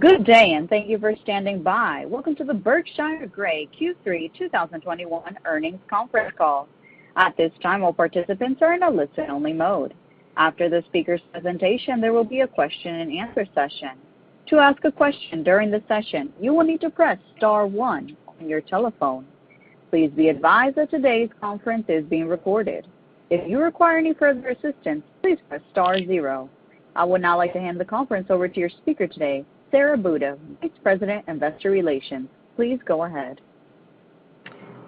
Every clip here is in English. Good day, and thank you for standing by. Welcome to the Berkshire Grey Q3 2021 earnings conference call. At this time, all participants are in a listen-only mode. After the speaker presentation, there will be a question-and-answer session. To ask a question during the session, you will need to press star one on your telephone. Please be advised that today's conference is being recorded. If you require any further assistance, please press star zero. I would now like to hand the conference over to your speaker today, Sara Buda, Vice President, Investor Relations. Please go ahead.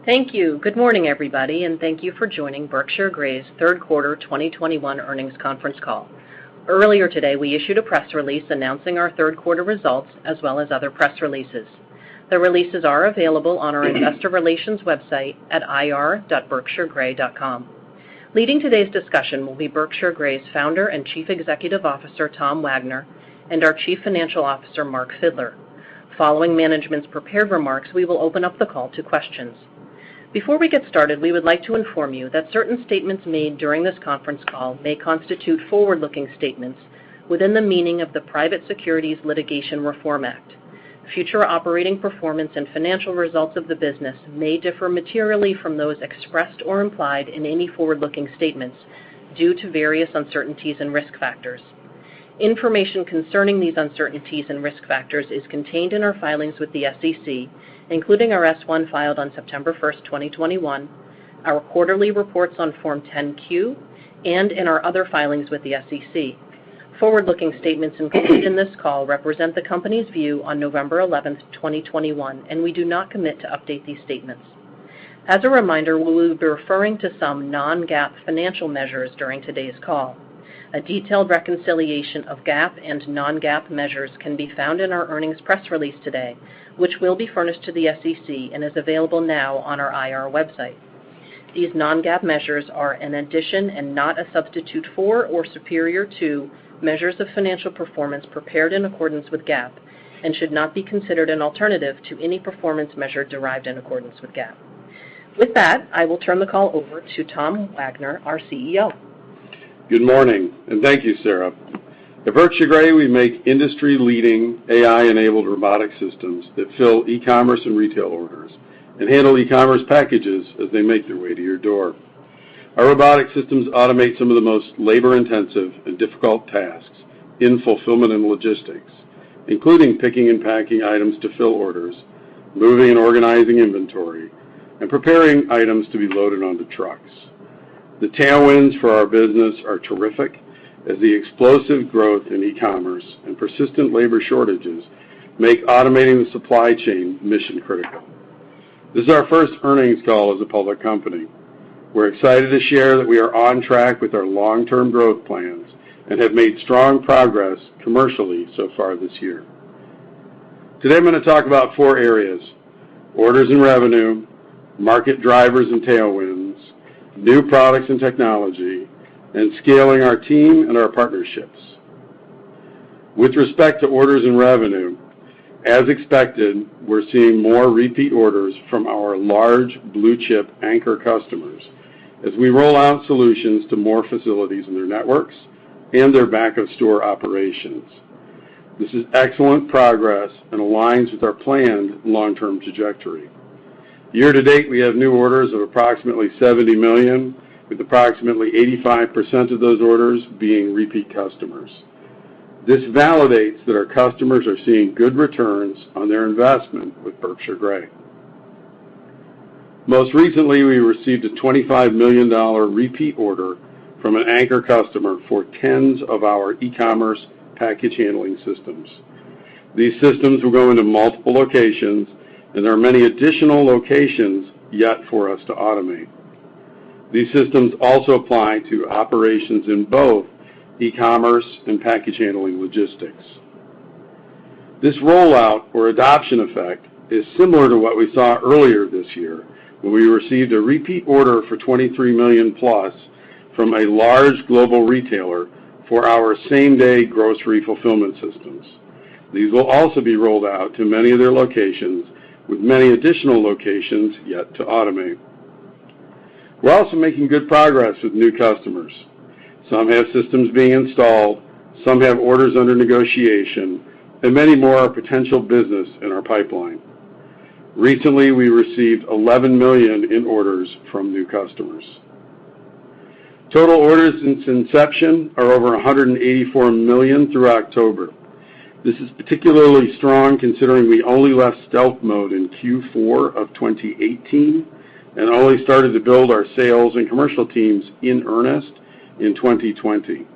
Thank you. Good morning, everybody, and thank you for joining Berkshire Grey's third quarter 2021 earnings conference call. Earlier today, we issued a press release announcing our third quarter results as well as other press releases. The releases are available on our investor relations website at ir.berkshiregrey.com. Leading today's discussion will be Berkshire Grey's founder and Chief Executive Officer, Tom Wagner, and our Chief Financial Officer, Mark Fidler. Following management's prepared remarks, we will open up the call to questions. Before we get started, we would like to inform you that certain statements made during this conference call may constitute forward-looking statements within the meaning of the Private Securities Litigation Reform Act. Future operating performance and financial results of the business may differ materially from those expressed or implied in any forward-looking statements due to various uncertainties and risk factors. Information concerning these uncertainties and risk factors is contained in our filings with the SEC, including our S-1 filed on September 1st, 2021, our quarterly reports on Form 10-Q, and in our other filings with the SEC. Forward-looking statements included in this call represent the company's view on November 11th, 2021, and we do not commit to update these statements. As a reminder, we will be referring to some non-GAAP financial measures during today's call. A detailed reconciliation of GAAP and non-GAAP measures can be found in our earnings press release today, which will be furnished to the SEC and is available now on our IR website. These non-GAAP measures are an addition and not a substitute for or superior to measures of financial performance prepared in accordance with GAAP and should not be considered an alternative to any performance measure derived in accordance with GAAP. With that, I will turn the call over to Tom Wagner, our CEO. Good morning, and thank you, Sara. At Berkshire Grey, we make industry-leading AI-enabled robotic systems that fill e-commerce and retail orders and handle e-commerce packages as they make their way to your door. Our robotic systems automate some of the most labor-intensive and difficult tasks in fulfillment and logistics, including picking and packing items to fill orders, moving and organizing inventory, and preparing items to be loaded onto trucks. The tailwinds for our business are terrific as the explosive growth in e-commerce and persistent labor shortages make automating the supply chain mission-critical. This is our first earnings call as a public company. We're excited to share that we are on track with our long-term growth plans and have made strong progress commercially so far this year. Today, I'm going to talk about four areas, orders and revenue, market drivers and tailwinds, new products and technology, and scaling our team and our partnerships. With respect to orders and revenue, as expected, we're seeing more repeat orders from our large blue-chip anchor customers as we roll out solutions to more facilities in their networks and their back-of-store operations. This is excellent progress and aligns with our planned long-term trajectory. Year to date, we have new orders of approximately $70 million, with approximately 85% of those orders being repeat customers. This validates that our customers are seeing good returns on their investment with Berkshire Grey. Most recently, we received a $25 million repeat order from an anchor customer for 10s of our e-commerce package handling systems. These systems will go into multiple locations, and there are many additional locations yet for us to automate. These systems also apply to operations in both e-commerce and package handling logistics. This rollout or adoption effect is similar to what we saw earlier this year when we received a repeat order for $23+ million from a large global retailer for our same-day grocery fulfillment systems. These will also be rolled out to many of their locations, with many additional locations yet to automate. We're also making good progress with new customers. Some have systems being installed, some have orders under negotiation, and many more are potential business in our pipeline. Recently, we received $11 million in orders from new customers. Total orders since inception are over $184 million through October. This is particularly strong considering we only left stealth mode in Q4 of 2018 and only started to build our sales and commercial teams in earnest in 2020.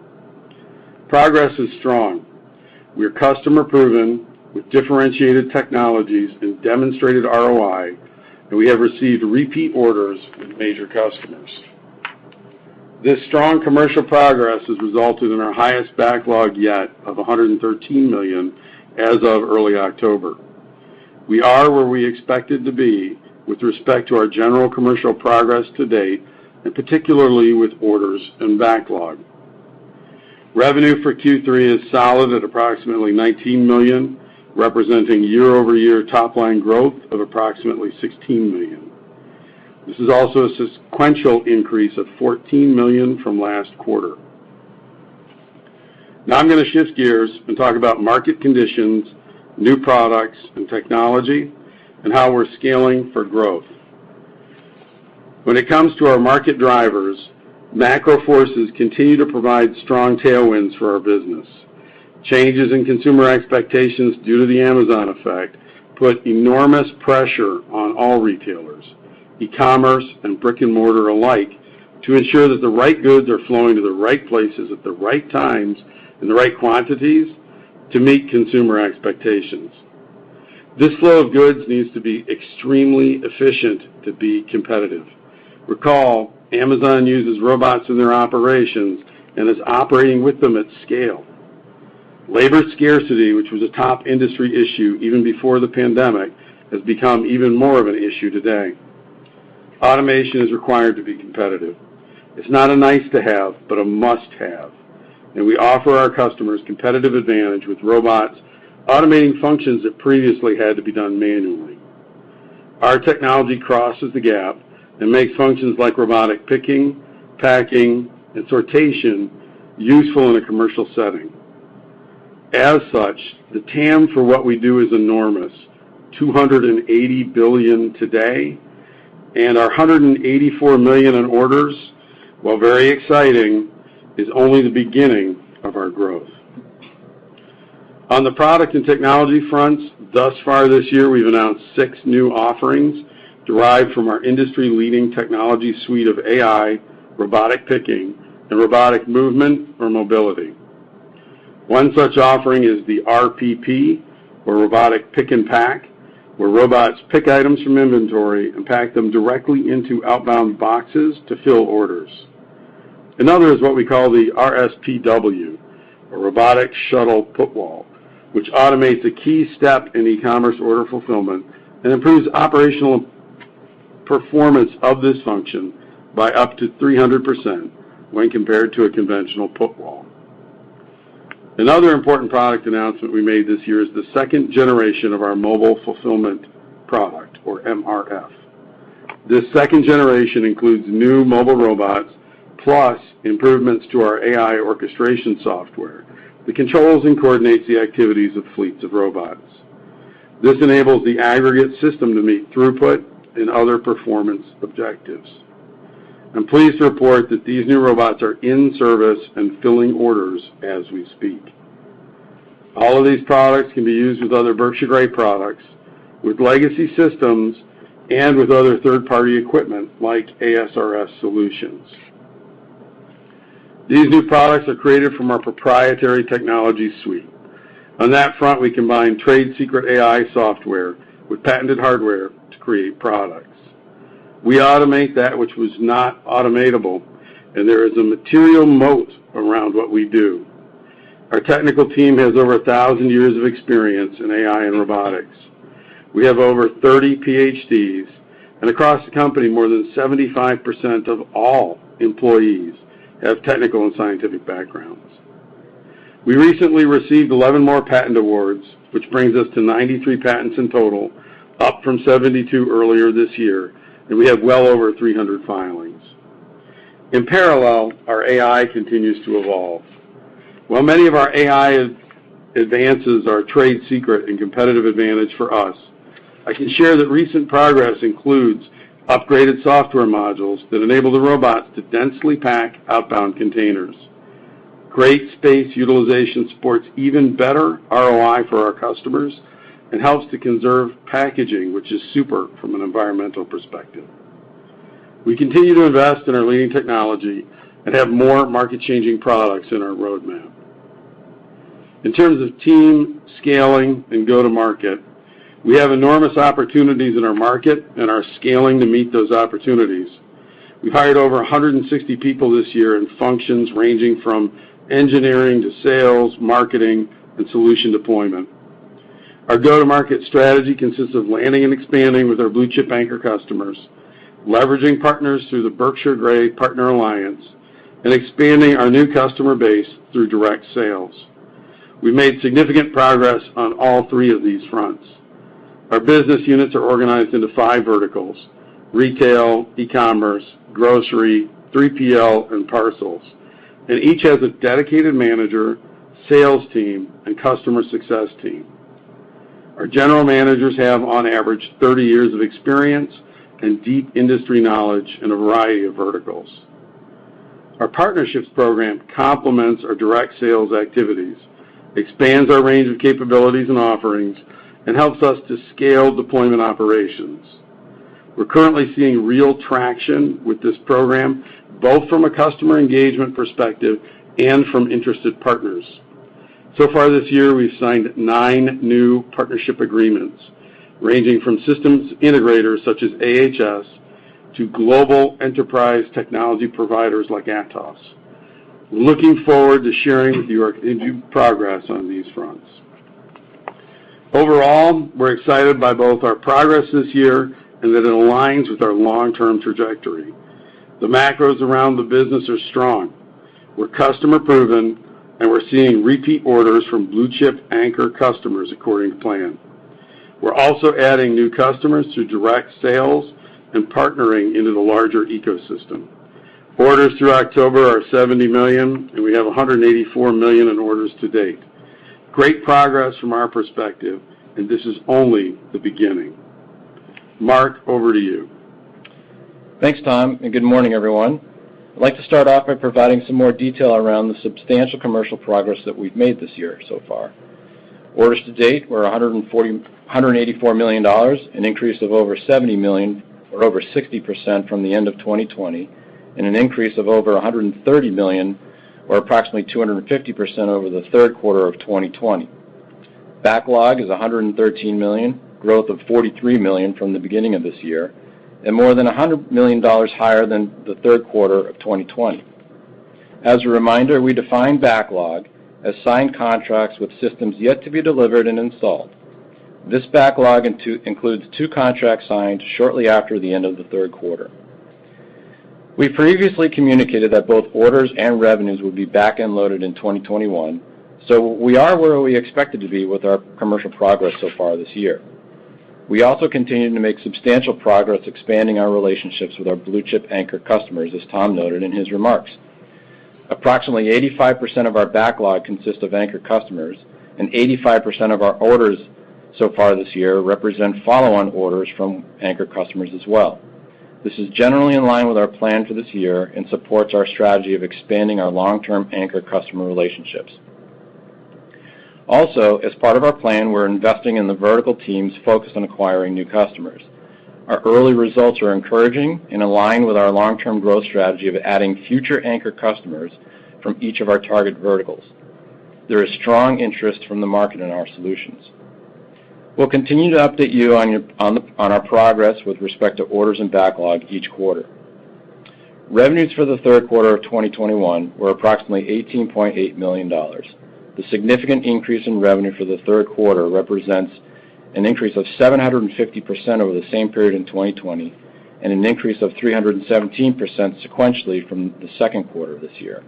Progress is strong. We are customer-proven with differentiated technologies and demonstrated ROI, and we have received repeat orders from major customers. This strong commercial progress has resulted in our highest backlog yet of $113 million as of early October. We are where we expected to be with respect to our general commercial progress to date, and particularly with orders and backlog. Revenue for Q3 is solid at approximately $19 million, representing year-over-year top-line growth of approximately $16 million. This is also a sequential increase of $14 million from last quarter. Now I'm going to shift gears and talk about market conditions, new products, and technology, and how we're scaling for growth. When it comes to our market drivers, macro forces continue to provide strong tailwinds for our business. Changes in consumer expectations due to the Amazon effect put enormous pressure on all retailers, e-commerce and brick-and-mortar alike, to ensure that the right goods are flowing to the right places at the right times and the right quantities to meet consumer expectations. This flow of goods needs to be extremely efficient to be competitive. Recall, Amazon uses robots in their operations and is operating with them at scale. Labor scarcity, which was a top industry issue even before the pandemic, has become even more of an issue today. Automation is required to be competitive. It's not a nice to have, but a must-have, and we offer our customers competitive advantage with robots automating functions that previously had to be done manually. Our technology crosses the gap and makes functions like robotic picking, packing, and sortation useful in a commercial setting. As such, the TAM for what we do is enormous, $280 billion today, and our $184 million in orders, while very exciting, is only the beginning of our growth. On the product and technology fronts, thus far this year we've announced six new offerings derived from our industry-leading technology suite of AI, robotic picking, and robotic movement or mobility. One such offering is the RPP, or Robotic Pick and Pack, where robots pick items from inventory and pack them directly into outbound boxes to fill orders. Another is what we call the RSPW, or Robotic Shuttle Put Wall, which automates a key step in e-commerce order fulfillment and improves operational performance of this function by up to 300% when compared to a conventional put wall. Another important product announcement we made this year is the second generation of our mobile fulfillment product, or MRF. This second generation includes new mobile robots, plus improvements to our AI orchestration software that controls and coordinates the activities of fleets of robots. This enables the aggregate system to meet throughput and other performance objectives. I'm pleased to report that these new robots are in service and filling orders as we speak. All of these products can be used with other Berkshire Grey products, with legacy systems, and with other third-party equipment, like AS/RS solutions. These new products are created from our proprietary technology suite. On that front, we combine trade secret AI software with patented hardware to create products. We automate that which was not automatable, and there is a material moat around what we do. Our technical team has over 1,000 years of experience in AI and robotics. We have over 30 PhDs, and across the company, more than 75% of all employees have technical and scientific backgrounds. We recently received 11 more patent awards, which brings us to 93 patents in total, up from 72 earlier this year, and we have well over 300 filings. In parallel, our AI continues to evolve. While many of our AI advances are a trade secret and competitive advantage for us, I can share that recent progress includes upgraded software modules that enable the robots to densely pack outbound containers. Great space utilization supports even better ROI for our customers and helps to conserve packaging, which is super from an environmental perspective. We continue to invest in our leading technology and have more market-changing products in our roadmap. In terms of team, scaling, and go-to-market, we have enormous opportunities in our market and are scaling to meet those opportunities. We've hired over 160 people this year in functions ranging from engineering to sales, marketing, and solution deployment. Our go-to-market strategy consists of landing and expanding with our blue-chip anchor customers, leveraging partners through the Berkshire Grey Partner Alliance, and expanding our new customer base through direct sales. We've made significant progress on all three of these fronts. Our business units are organized into five verticals, retail, e-commerce, grocery, 3PL, and parcels, and each has a dedicated manager, sales team, and customer success team. Our general managers have on average 30 years of experience and deep industry knowledge in a variety of verticals. Our partnerships program complements our direct sales activities, expands our range of capabilities and offerings, and helps us to scale deployment operations. We're currently seeing real traction with this program, both from a customer engagement perspective and from interested partners. So far this year, we've signed nine new partnership agreements ranging from systems integrators such as AHS to global enterprise technology providers like Atos. Looking forward to sharing with you our progress on these fronts. Overall, we're excited by both our progress this year and that it aligns with our long-term trajectory. The macros around the business are strong. We're customer-proven, and we're seeing repeat orders from blue-chip anchor customers according to plan. We're also adding new customers through direct sales and partnering into the larger ecosystem. Orders through October are $70 million, and we have $184 million in orders to date. Great progress from our perspective, and this is only the beginning. Mark, over to you. Thanks, Tom, and good morning, everyone. I'd like to start off by providing some more detail around the substantial commercial progress that we've made this year so far. Orders to date were $184 million, an increase of over $70 million or over 60% from the end of 2020, and an increase of over $130 million or approximately 250% over the third quarter of 2020. Backlog is $113 million, growth of $43 million from the beginning of this year, and more than $100 million higher than the third quarter of 2020. As a reminder, we define backlog as signed contracts with systems yet to be delivered and installed. This backlog includes two contracts signed shortly after the end of the third quarter. We previously communicated that both orders and revenues would be back end loaded in 2021. We are where we expected to be with our commercial progress so far this year. We also continue to make substantial progress expanding our relationships with our blue-chip anchor customers, as Tom noted in his remarks. Approximately 85% of our backlog consists of anchor customers, and 85% of our orders so far this year represent follow-on orders from anchor customers as well. This is generally in line with our plan for this year and supports our strategy of expanding our long-term anchor customer relationships. Also, as part of our plan, we're investing in the vertical teams focused on acquiring new customers. Our early results are encouraging and align with our long-term growth strategy of adding future anchor customers from each of our target verticals. There is strong interest from the market in our solutions. We'll continue to update you on our progress with respect to orders and backlog each quarter. Revenues for the third quarter of 2021 were approximately $18.8 million. The significant increase in revenue for the third quarter represents an increase of 750% over the same period in 2020 and an increase of 317% sequentially from the second quarter of this year.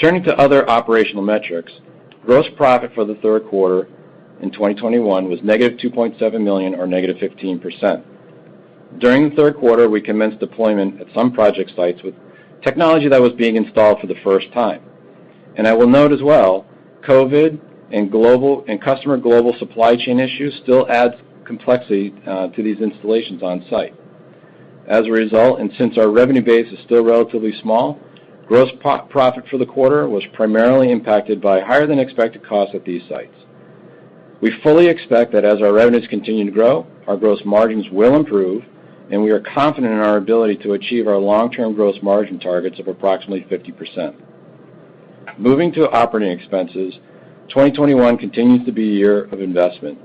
Turning to other operational metrics, gross profit for the third quarter in 2021 was -$2.7 million or -15%. During the third quarter, we commenced deployment at some project sites with technology that was being installed for the first time. I will note as well, COVID and customer global supply chain issues still add complexity to these installations on-site. As a result, and since our revenue base is still relatively small, gross profit for the quarter was primarily impacted by higher than expected costs at these sites. We fully expect that as our revenues continue to grow, our gross margins will improve, and we are confident in our ability to achieve our long-term gross margin targets of approximately 50%. Moving to operating expenses, 2021 continues to be a year of investment.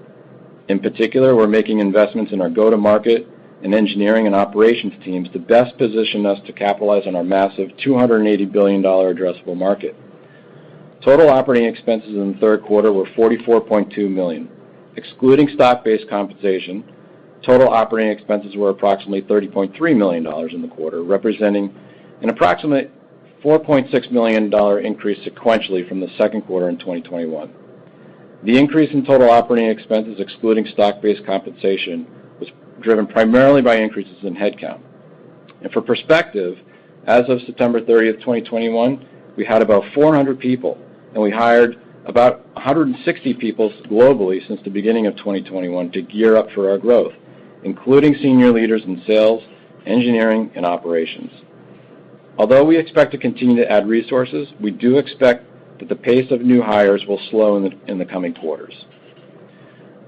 In particular, we're making investments in our go-to-market and engineering and operations teams to best position us to capitalize on our massive $280 billion addressable market. Total operating expenses in the third quarter were $44.2 million. Excluding stock-based compensation, total operating expenses were approximately $30.3 million in the quarter, representing an approximate $4.6 million increase sequentially from the second quarter in 2021. The increase in total operating expenses excluding stock-based compensation was driven primarily by increases in headcount. For perspective, as of September 30, 2021, we had about 400 people, and we hired about 160 people globally since the beginning of 2021 to gear up for our growth, including senior leaders in sales, engineering, and operations. Although we expect to continue to add resources, we do expect that the pace of new hires will slow in the coming quarters.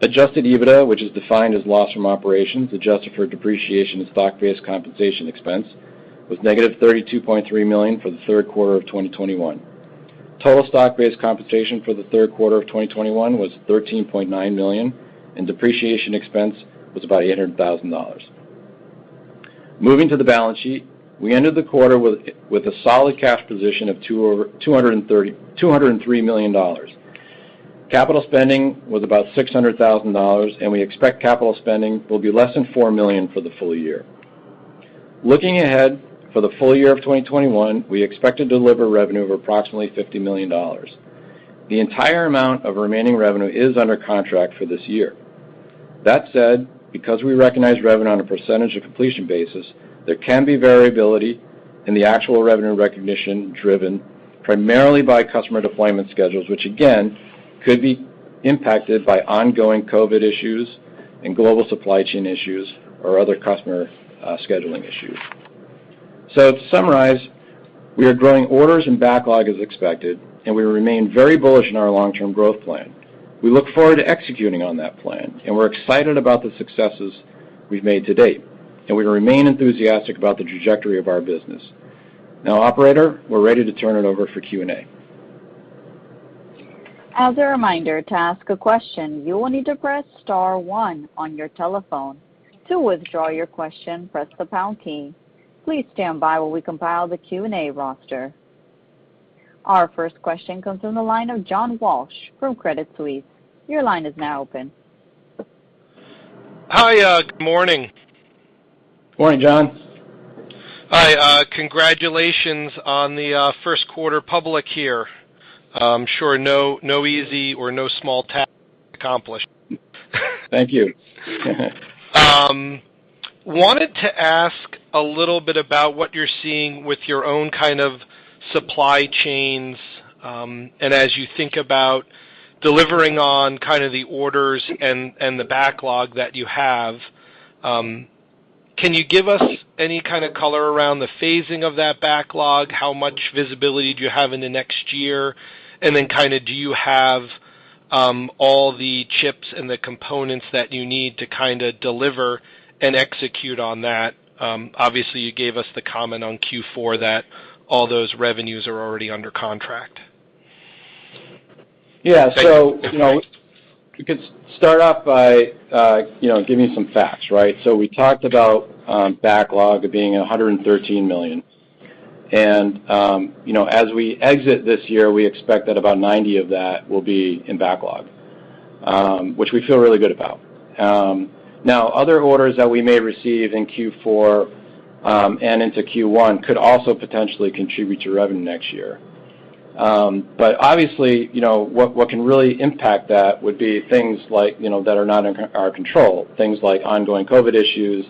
Adjusted EBITDA, which is defined as loss from operations, adjusted for depreciation and stock-based compensation expense, was negative $32.3 million for the third quarter of 2021. Total stock-based compensation for the third quarter of 2021 was $13.9 million, and depreciation expense was about $800,000. Moving to the balance sheet, we ended the quarter with a solid cash position of $203 million. Capital spending was about $600,000, and we expect capital spending will be less than $4 million for the full year. Looking ahead, for the full year of 2021, we expect to deliver revenue of approximately $50 million. The entire amount of remaining revenue is under contract for this year. That said, because we recognize revenue on a percentage of completion basis, there can be variability in the actual revenue recognition driven primarily by customer deployment schedules, which again, could be impacted by ongoing COVID issues and global supply chain issues or other customer scheduling issues. To summarize, we are growing orders and backlog as expected, and we remain very bullish in our long-term growth plan. We look forward to executing on that plan, and we're excited about the successes we've made to date, and we remain enthusiastic about the trajectory of our business. Now, operator, we're ready to turn it over for Q&A. As a reminder, to ask a question, you will need to press star one on your telephone. To withdraw your question, press the pound key. Please stand by while we compile the Q&A roster. Our first question comes from the line of John Walsh from Credit Suisse. Your line is now open. Hi, good morning. Morning, John. Hi, congratulations on the first quarter public here. I'm sure it's no easy or no small task to accomplish. Thank you. Wanted to ask a little bit about what you're seeing with your own kind of supply chains, and as you think about delivering on kind of the orders and the backlog that you have, can you give us any kind of color around the phasing of that backlog? How much visibility do you have in the next year? And then kinda, do you have all the chips and the components that you need to kinda deliver and execute on that? Obviously, you gave us the comment on Q4 that all those revenues are already under contract. Yeah. You know, we could start off by, you know, giving some facts, right? We talked about backlog being $113 million. You know, as we exit this year, we expect that about $90 of that will be in backlog, which we feel really good about. Now other orders that we may receive in Q4 and into Q1 could also potentially contribute to revenue next year. Obviously, you know, what can really impact that would be things like, you know, that are not in our control, things like ongoing COVID issues,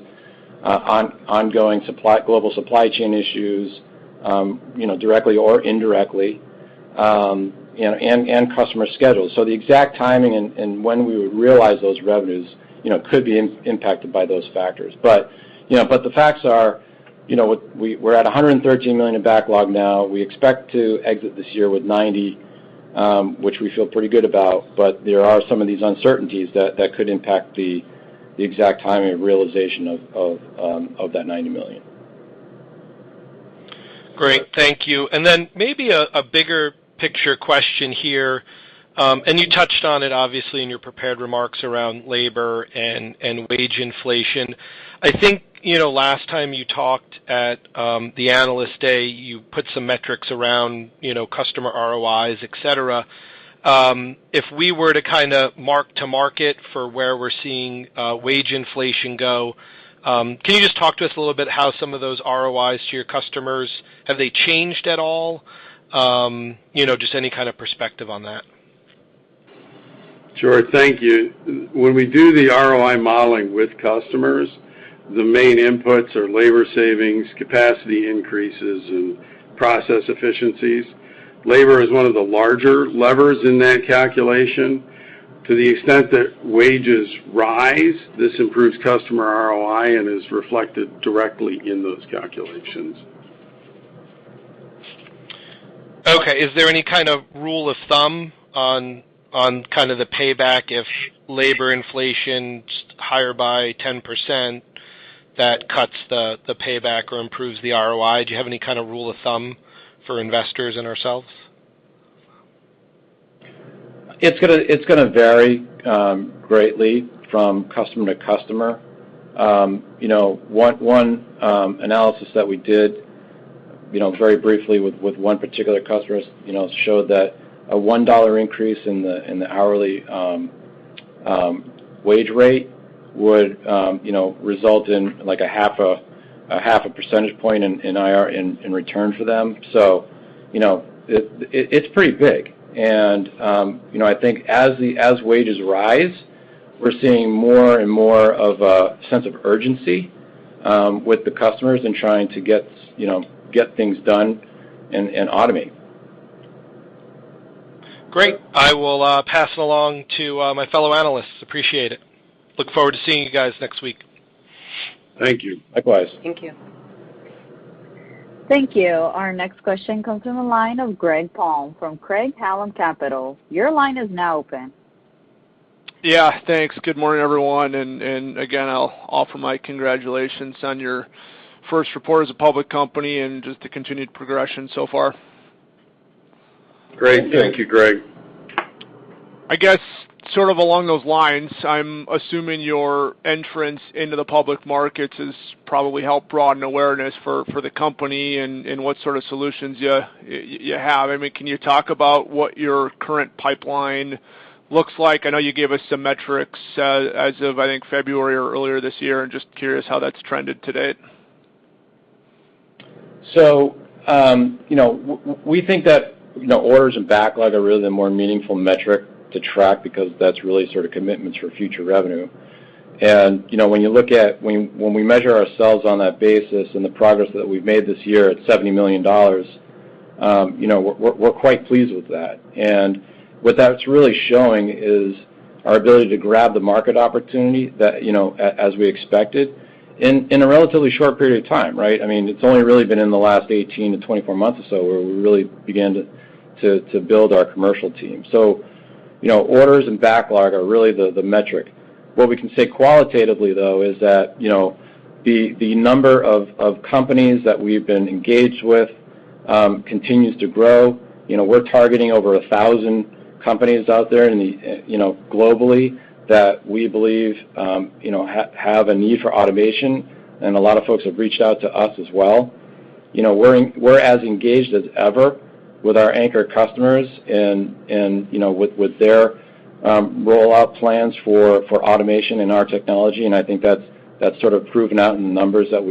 ongoing global supply chain issues, you know, directly or indirectly, and customer schedules. The exact timing and when we would realize those revenues, you know, could be impacted by those factors. you know, but the facts are, you know, we’re at $113 million in backlog now. We expect to exit this year with $90 million, which we feel pretty good about, but there are some of these uncertainties that could impact the exact timing and realization of that $90 million. Great. Thank you. Then maybe a bigger picture question here. You touched on it obviously in your prepared remarks around labor and wage inflation. I think, you know, last time you talked at the Analyst Day, you put some metrics around, you know, customer ROIs, et cetera. If we were to kinda mark to market for where we're seeing wage inflation go, can you just talk to us a little bit how some of those ROIs to your customers have they changed at all? You know, just any kind of perspective on that. Sure. Thank you. When we do the ROI modeling with customers, the main inputs are labor savings, capacity increases, and process efficiencies. Labor is one of the larger levers in that calculation. To the extent that wages rise, this improves customer ROI and is reflected directly in those calculations. Okay. Is there any kind of rule of thumb on kind of the payback if labor inflation's higher by 10%, that cuts the payback or improves the ROI? Do you have any kind of rule of thumb for investors and ourselves? It's gonna vary greatly from customer to customer. You know, one analysis that we did very briefly with one particular customer you know showed that a $1 increase in the hourly wage rate would you know result in like a 0.5 percentage point in IRR for them. You know it's pretty big. You know I think as wages rise we're seeing more and more of a sense of urgency with the customers in trying to get you know things done and automate. Great. I will pass it along to my fellow analysts. Appreciate it. Look forward to seeing you guys next week. Thank you. Likewise. Thank you. Thank you. Our next question comes from the line of Greg Palm from Craig-Hallum Capital Group. Your line is now open. Yeah, thanks. Good morning, everyone. Again, I'll offer my congratulations on your first report as a public company and just the continued progression so far. Great. Thank you, Greg. I guess sort of along those lines, I'm assuming your entrance into the public markets has probably helped broaden awareness for the company and what sort of solutions you have. I mean, can you talk about what your current pipeline looks like? I know you gave us some metrics as of, I think, February or earlier this year. I'm just curious how that's trended to date. We think that, you know, orders and backlog are really the more meaningful metric to track because that's really sort of commitments for future revenue. You know, when we measure ourselves on that basis and the progress that we've made this year at $70 million, you know, we're quite pleased with that. What that's really showing is our ability to grab the market opportunity that, you know, as we expected in a relatively short period of time, right? I mean, it's only really been in the last 18-24 months or so where we really began to build our commercial team. You know, orders and backlog are really the metric. What we can say qualitatively, though, is that, you know, the number of companies that we've been engaged with continues to grow. You know, we're targeting over 1,000 companies out there in the, you know, globally that we believe, you know, have a need for automation, and a lot of folks have reached out to us as well. You know, we're as engaged as ever with our anchor customers and, you know, with their rollout plans for automation and our technology, and I think that's sort of proven out in the numbers that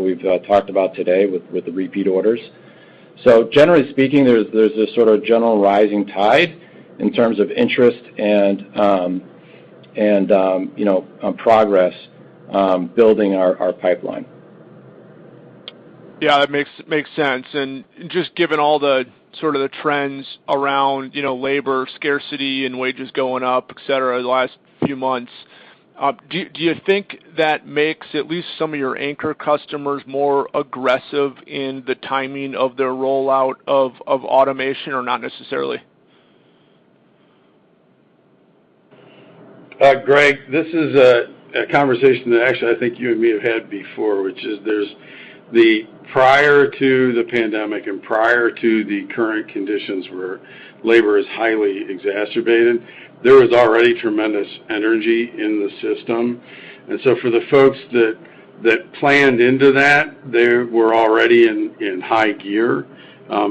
we've talked about today with the repeat orders. Generally speaking, there's this sort of general rising tide in terms of interest and you know, progress building our pipeline. Yeah, it makes sense. Just given all the sort of the trends around, you know, labor scarcity and wages going up, et cetera, the last few months, do you think that makes at least some of your anchor customers more aggressive in the timing of their rollout of automation or not necessarily? Greg, this is a conversation that actually I think you and me have had before, which is there's the prior to the pandemic and prior to the current conditions where labor is highly exacerbated, there was already tremendous energy in the system. For the folks that planned into that, they were already in high gear.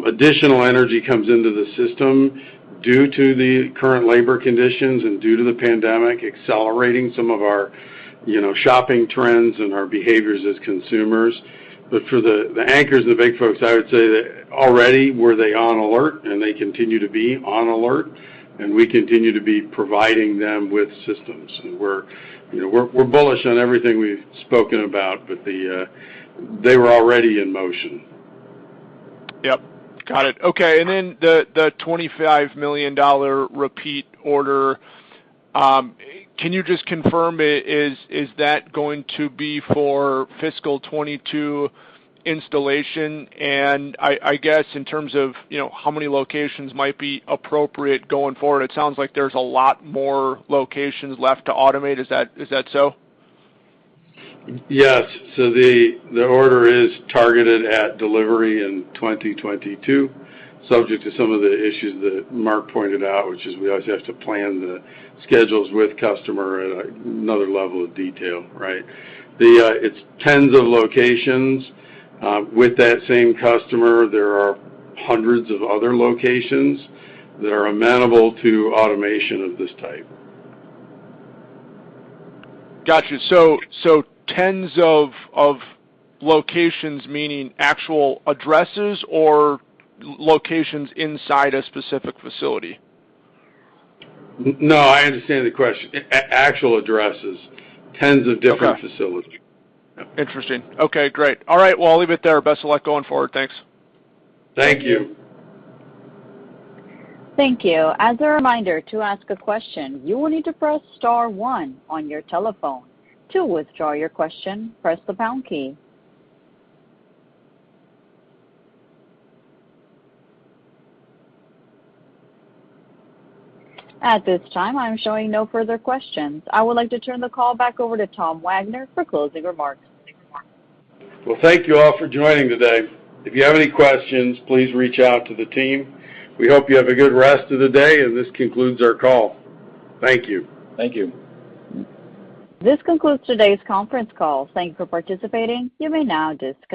Additional energy comes into the system due to the current labor conditions and due to the pandemic accelerating some of our, you know, shopping trends and our behaviors as consumers. For the anchors and the big folks, I would say that already were they on alert and they continue to be on alert, and we continue to be providing them with systems. We're, you know, we're bullish on everything we've spoken about, but they were already in motion. Yep. Got it. Okay. Then the $25 million repeat order, can you just confirm, is that going to be for fiscal 2022 installation? I guess in terms of, you know, how many locations might be appropriate going forward, it sounds like there's a lot more locations left to automate. Is that so? Yes. The order is targeted at delivery in 2022, subject to some of the issues that Mark pointed out, which is we always have to plan the schedules with customer at another level of detail, right? It's tens of locations. With that same customer, there are hundreds of other locations that are amenable to automation of this type. Got you. 10s of locations, meaning actual addresses or locations inside a specific facility? No, I understand the question. Actual addresses. 10s of different- Okay. Facilities. Interesting. Okay, great. All right. Well, I'll leave it there. Best of luck going forward. Thanks. Thank you. Thank you. Thank you. As a reminder, to ask a question, you will need to press star one on your telephone. To withdraw your question, press the pound key. At this time, I'm showing no further questions. I would like to turn the call back over to Tom Wagner for closing remarks. Well, thank you all for joining today. If you have any questions, please reach out to the team. We hope you have a good rest of the day, and this concludes our call. Thank you. Thank you. This concludes today's conference call. Thank you for participating. You may now disconnect.